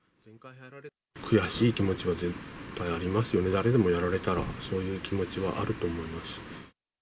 悔しい気持ちは絶対ありますよね、誰でもやられたら、そういう気持ちはあると思います。